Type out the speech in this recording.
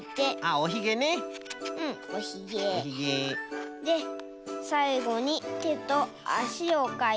おヒゲ。でさいごにてとあしをかいて。